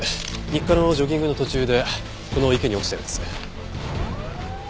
日課のジョギングの途中でこの池に落ちたようです。